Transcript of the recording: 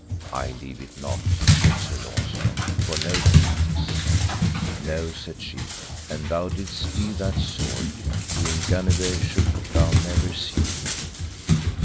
I leave it not, said Sir Launcelot, for no treaties. No, said she, an thou didst leave that sword, Queen Guenever should thou never see.